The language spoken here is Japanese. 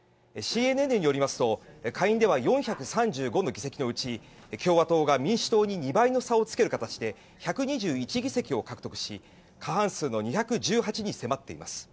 ＣＮＮによりますと下院では４３５の議席のうち共和党が民主党に２倍の差をつける形で１２１議席を獲得し過半数の２１８に迫っています。